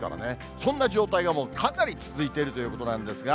そんな状態がもうかなり続いているということなんですが。